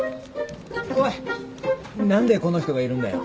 おい何でこの人がいるんだよ。